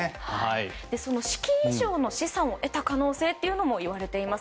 資金以上の資産を得た可能性も出ています。